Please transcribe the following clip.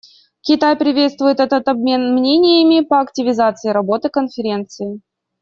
Китай приветствует этот обмен мнениями по активизации работы Конференции.